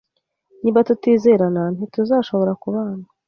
Niba tutizerana, ntituzashobora kubana